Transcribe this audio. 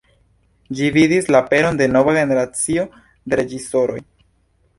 Ĝi vidis la aperon de nova generacio de reĝisoroj.